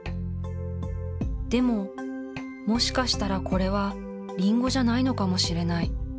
でも、もしかしたらこれはりんごじゃないのかもしれない。